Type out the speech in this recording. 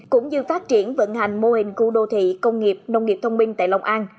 cũng như phát triển vận hành mô hình khu đô thị công nghiệp nông nghiệp thông minh tại long an